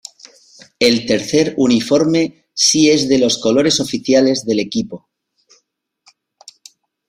El tercer uniforme si es de los colores oficiales del equipo.